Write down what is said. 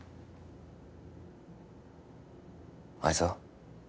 あいつは？